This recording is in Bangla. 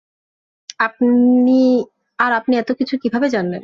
আর আপনি এতকিছু কিভাবে জানলেন?